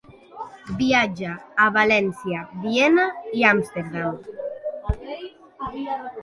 Viatja a València, Viena i Amsterdam.